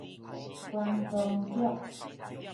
觀光局